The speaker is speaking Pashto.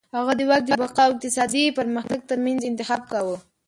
هغه د واک د بقا او اقتصادي پرمختګ ترمنځ انتخاب کاوه.